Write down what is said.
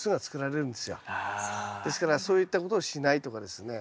ですからそういったことをしないとかですね